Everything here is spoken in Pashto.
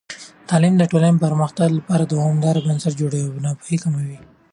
تعلیم د ټولنې د پرمختګ لپاره دوامدار بنسټ جوړوي او ناپوهي کموي.